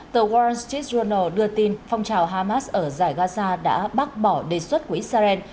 tàu wall street journal đưa tin phong trào hamas ở giải gaza đã bác bỏ đề xuất của israel